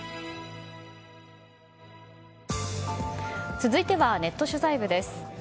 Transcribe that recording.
続いてはネット取材部です。